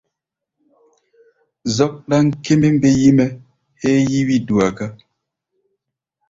Zɔ́k ɗáŋ kémbémbé yí-mɛ́ héé yí wí-dua gá.